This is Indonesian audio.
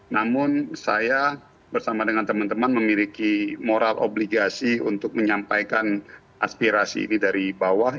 namun saya bersama dengan teman teman memiliki moral obligasi untuk menyampaikan aspirasi ini dari bawah